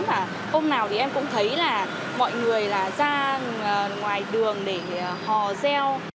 và hôm nào thì em cũng thấy là mọi người là ra ngoài đường để